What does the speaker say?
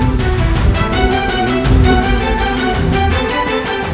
aku harus menolong anak itu